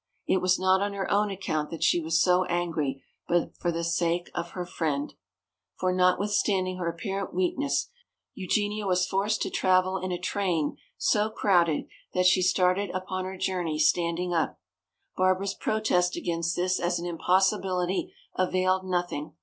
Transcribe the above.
It was not on her own account that she was so angry, but for the sake of her friend. For notwithstanding her apparent weakness, Eugenia was forced to travel in a train so crowded that she started upon her journey standing up. Barbara's protest against this as an impossibility availed nothing.